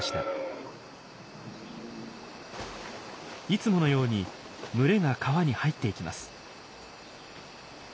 いつものように群れが川に入っていきます。